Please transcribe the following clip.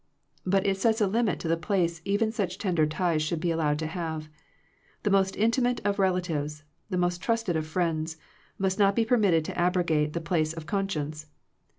But it sets a limit to the place even such tender ties should be allowed to have. The most intimate of relatives, the most trusted of friends, must not be permitted to abrogate the place of conscience.